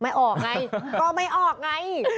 ไม่ออกไงก็ไม่ออกไง